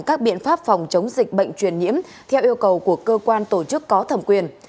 các biện pháp phòng chống dịch bệnh truyền nhiễm theo yêu cầu của cơ quan tổ chức có thẩm quyền